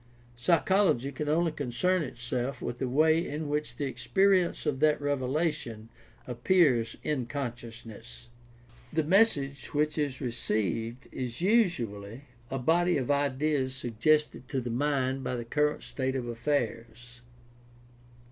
Psychology can only concern itself with the way in which the experience of that revelation appears in conscious ness. The message which is "received" is usually a body of ideas suggested to the mind by the current state of affairs.